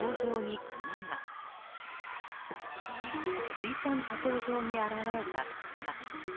水産加工場に現れたクマ。